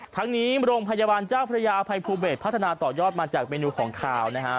ทั้งนี้โรงพยาบาลเจ้าพระยาอภัยภูเบศพัฒนาต่อยอดมาจากเมนูของขาวนะฮะ